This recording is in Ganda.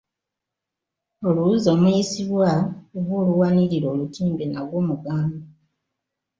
Oluwuzi omuyisibwa oba oluwanirira olutimbe nagwo mugamba.